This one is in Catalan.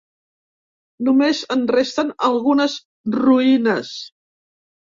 Només en resten algunes ruïnes.